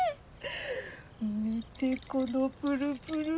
見てこのプルプル。